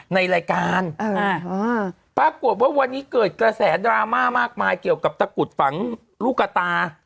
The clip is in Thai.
ในรายการปรากฏว่าวันนี้เกิดกระแสดราม่ามากมายเกี่ยวกับตะกุดฝังลูกกระตา